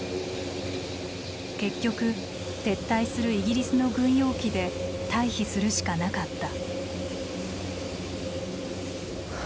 結局撤退するイギリスの軍用機で退避するしかなかった。